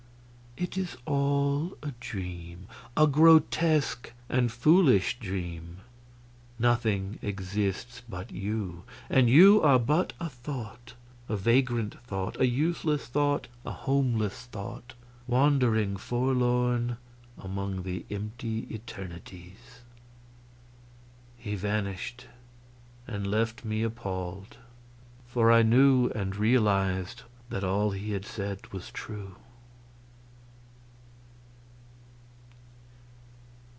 It is all a dream a grotesque and foolish dream. Nothing exists but you. And you are but a thought a vagrant thought, a useless thought, a homeless thought, wandering forlorn among the empty eternities!" He vanished, and left me appalled; for I knew, and realized, that all he had said was true.